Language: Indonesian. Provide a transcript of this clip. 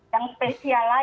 yang spesial lagi